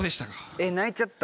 えっ泣いちゃった。